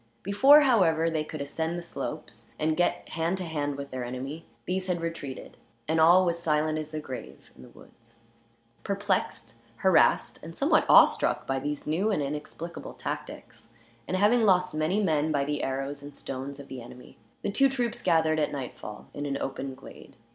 Before, however, they could ascend the slopes and get hand to hand with their enemy, these had retreated, and all was silent as the grave in the woods. Perplexed, harassed, and somewhat awe struck by these new and inexplicable tactics; and having lost many men, by the arrows and stones of the enemy, the two troops gathered at nightfall in an open glade.